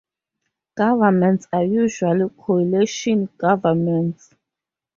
Governments are usually coalition governments.